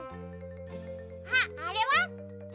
あっあれは？